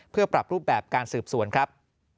เพื่อปรับรูปแบบการสืบสวนครับ